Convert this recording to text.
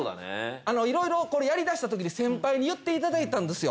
いろいろこれやりだしたときに先輩に言っていただいたんですよ。